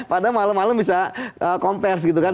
padahal malam malam bisa komppers gitu kan